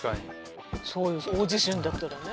そうよ大地震だったらね。